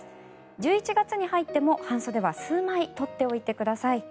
１１月に入っても半袖は数枚取っておいてください。